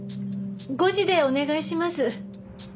５時でお願いします。